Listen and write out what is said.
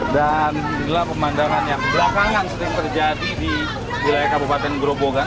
dan inilah pemandangan yang berakangan sering terjadi di wilayah kabupaten gerobogan